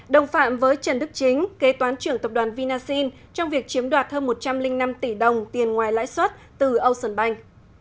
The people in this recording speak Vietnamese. đồng phạm với trần đức chính kế toán trưởng tập đoàn vinasin trong việc chiếm đoạt hơn một trăm linh năm tỷ đồng tiền ngoài lãi suất từ ocean bank